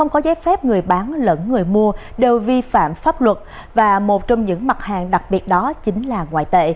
của thị trường